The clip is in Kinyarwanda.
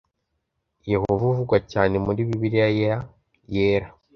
Yehova uvugwa cyane muri Bibiliyayera